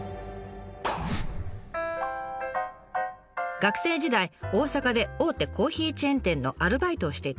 学生時代大阪で大手コーヒーチェーン店のアルバイトをしていた三原さん。